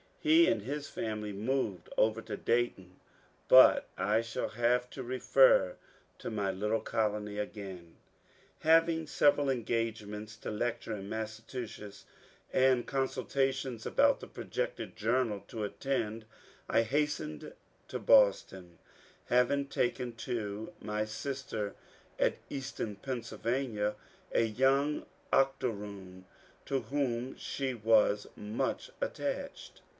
He and his family moved over to Dayton. But I shall have to refer to my little colony again. Having several engagements to lecture in Massachusetts, and consultations about the projected journal to attend, I has tened to Boston, having taken to my sister at Easton, Pa., a young octoroon to whom she was much attached.